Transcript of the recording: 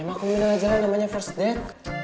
emang kamu udah jalan namanya first date